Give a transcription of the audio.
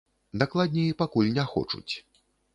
Дакладней, пакуль не хочуць.